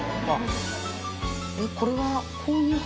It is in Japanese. えっこれは。